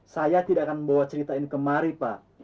saya tidak akan membawa cerita ini kemari pak